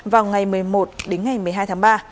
vào ngày một mươi một đến ngày một mươi hai tháng ba